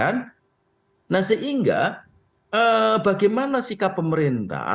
nah sehingga bagaimana sikap pemerintah